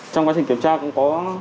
trong quá trình kiểm tra cũng có